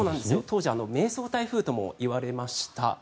当時、迷走台風ともいわれました。